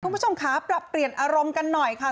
คุณผู้ชมค่ะปรับเปลี่ยนอารมณ์กันหน่อยค่ะ